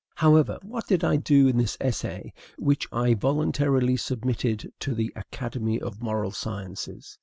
However, what did I do in this essay which I voluntarily submitted to the Academy of Moral Sciences?